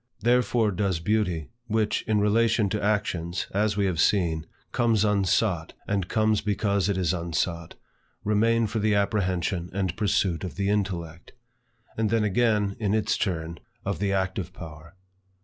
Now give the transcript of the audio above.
Therefore does beauty, which, in relation to actions, as we have seen, comes unsought, and comes because it is unsought, remain for the apprehension and pursuit of the intellect; and then again, in its turn, of the active power.